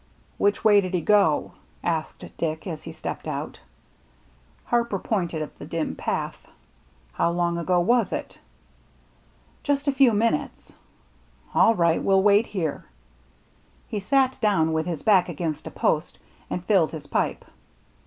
" Which way did he go ?" asked Dick, as he stepped out. Harper pointed at the dim path. " How long ago was it ?"" Just a few minutes." "All right. We'll wait here." He sat down with his back against a post, and filled his pipe.